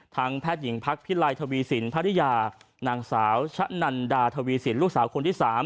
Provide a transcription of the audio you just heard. แพทย์หญิงพักพิลัยทวีสินภรรยานางสาวชะนันดาทวีสินลูกสาวคนที่๓